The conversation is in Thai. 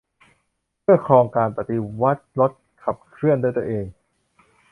เพื่อครองการปฏิวัติรถขับเคลื่อนด้วยตนเอง